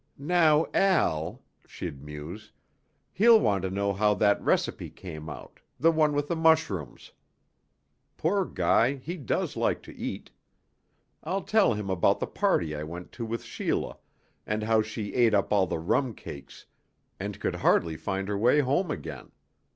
"Now Al," she'd muse, "he'll want to know how that recipe came out, the one with the mushrooms. Poor guy, he does like to eat. I'll tell him about the party I went to with Sheila, and how she ate up all the rum cakes and could hardly find her way home again.